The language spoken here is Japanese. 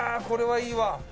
これはいいわ。